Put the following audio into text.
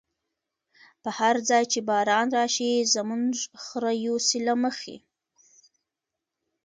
په هر ځای چی باران راشی، زمونږ خره یوسی له مخی